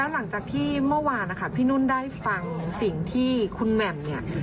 หลังจากที่เมื่อวานนะคะพี่นุ่นได้ฟังสิ่งที่คุณแหม่มเนี่ย